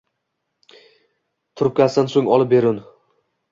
Trubkasin so‘ng olib beun